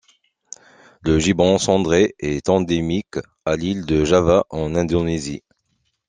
Le gibbon cendré est endémique à l'île de Java en Indonésie.